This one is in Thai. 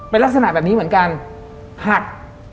เป็นลักษณะแบบนี้เหมือนกันหัก